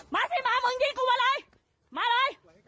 มาสิมามึงยิงกูมาเลย